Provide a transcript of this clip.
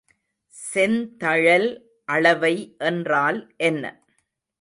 செந்தழல் அளவை என்றால் என்ன?